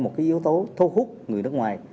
một yếu tố thu hút người nước ngoài